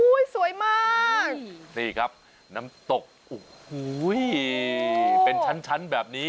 สวยมากนี่ครับน้ำตกโอ้โหเป็นชั้นแบบนี้